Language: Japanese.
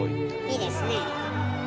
いいですねえ。